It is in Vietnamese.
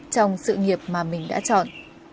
trong sự nghiệp mà mình đã chọn